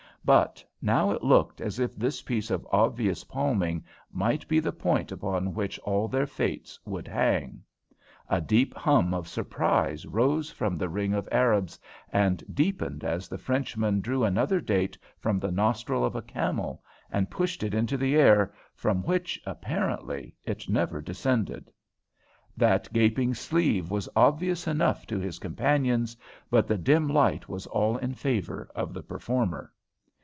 But now it looked as if this piece of obvious palming might be the point upon which all their fates would hang. A deep hum of surprise rose from the ring of Arabs, and deepened as the Frenchman drew another date from the nostril of a camel and tossed it into the air, from which, apparently, it never descended. That gaping sleeve was obvious enough to his companions, but the dim light was all in favour of the performer.